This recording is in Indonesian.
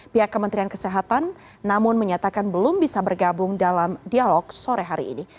pihak kementerian kesehatan namun menyatakan belum bisa bergabung dalam dialog sore hari ini